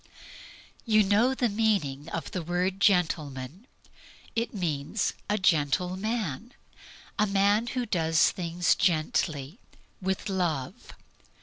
You know the meaning of the word "gentleman." It means a gentle man a man who does things gently, with love.